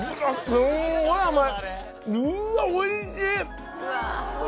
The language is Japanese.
うわおいしい！